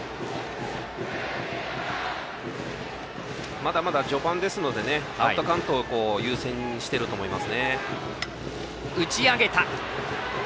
まだまだ序盤ですのでアウトカウントを優先にしていると思います。